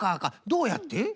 どうやって？